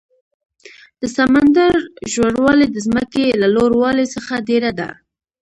د سمندر ژور والی د ځمکې له لوړ والي څخه ډېر ده.